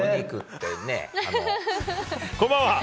こんばんは。